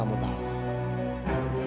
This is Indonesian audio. apa kamu tahu